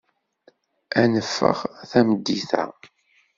Ad neffeɣ tameddit-a.